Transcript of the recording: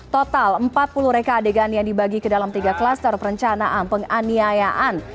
total empat puluh reka adegan yang dibagi ke dalam tiga klaster perencanaan penganiayaan